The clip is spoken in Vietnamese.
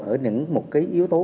ở những yếu tố